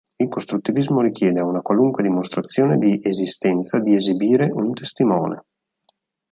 Il costruttivismo richiede a una qualunque dimostrazione di esistenza di esibire un "testimone".